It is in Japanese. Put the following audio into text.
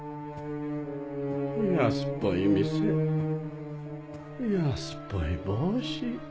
安っぽい店安っぽい帽子。